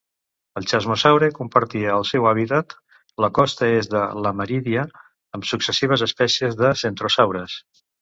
El "chasmosaure" compartia el seu hàbitat, la costa est de Laramídia, amb successives espècies de "centrosaures".